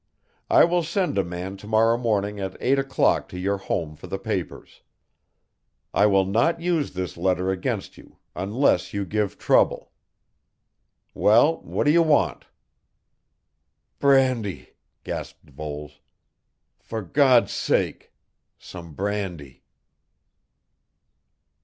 "I will send a man to morrow morning at eight o'clock to your home for the papers. I will not use this letter against you, unless you give trouble Well, what do you want?" "Brandy," gasped Voles. "For God's sake some brandy."